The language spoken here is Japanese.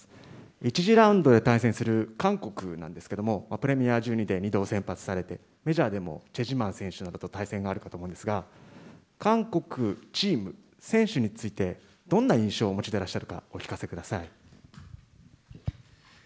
１次ラウンドで対戦する韓国なんですけれども、プレミア１２で２度先発されて、メジャーでも選手などと対戦があるかと思うんですが、韓国、チーム、選手について、どんな印象をお持ちでいらっしゃるか、お聞かせください。